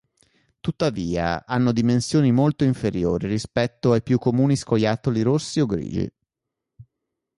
Tuttavia, hanno dimensioni molto inferiori rispetto ai più comuni scoiattoli rossi o grigi.